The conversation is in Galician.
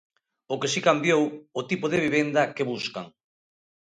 O que si cambiou, o tipo de vivenda que buscan.